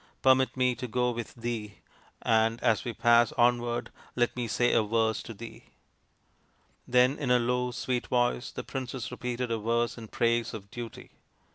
Permit me to go with thee, and as we pass onward let me say a verse to thee." Then in a low sweet voice the princess repeated a verse in praise of Duty.